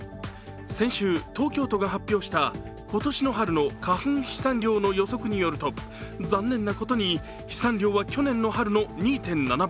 先週、東京都が発表した今年の春の花粉飛散量の予測によると残念なことに、飛散量は去年の春の２．７倍。